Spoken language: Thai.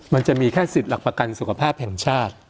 มันจะมีแค่สิทธิ์หลักประกันสุขภาพแห่งชาติ